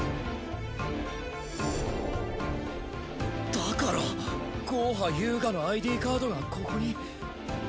だからゴーハ・ユウガのＩＤカードがここに。